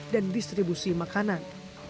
dan distribusi makanan